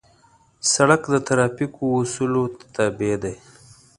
سړک د ترافیکو اصولو ته تابع دی.